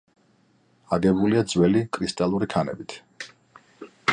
აგებულია ძველი კრისტალური ქანებით.